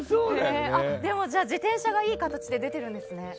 でも、じゃあ自転車がいい形で出てるんですね。